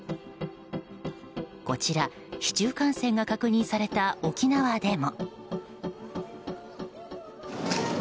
こちら、市中感染が確認された沖縄でも。